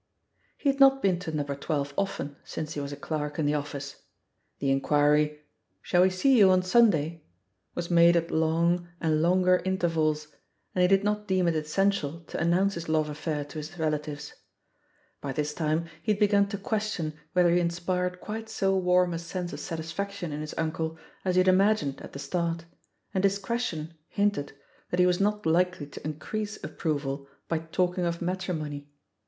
He had not been to No. 12 often since he was a clerk in the oflSce — ^the inquiry, "Shall we see you on Sunday?" was made at long, and longer intervals— and he did not deem it essential to announce his love affair to his relatives. By this time he had begun to question whether he in spired quite so warm a sense of satisfaction in his uncle as he had imagined at the start, and discretion hinted that he was not likely to in crease approval by talking of matrimony.